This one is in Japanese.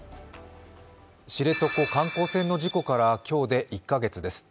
知床観光船の事故から今日で１カ月です。